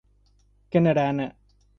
Canarana